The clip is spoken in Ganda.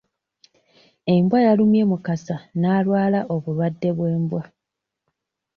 Embwa yalumye Mukasa n'alwala obulwadde bw'embwa.